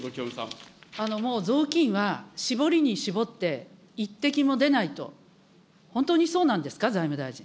もう雑巾は絞りに絞って、一滴も出ないと、本当にそうなんですか、財務大臣。